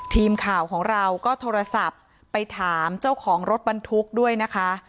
ทีมข่าวของเราก็โทรศัพท์ไปถามเจ้าของรถบรรทุกด้วยนะคะ